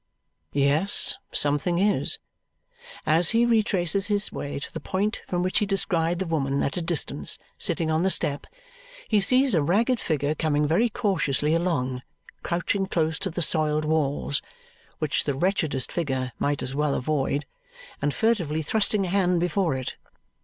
Yes, something is! As he retraces his way to the point from which he descried the woman at a distance sitting on the step, he sees a ragged figure coming very cautiously along, crouching close to the soiled walls which the wretchedest figure might as well avoid and furtively thrusting a hand before it.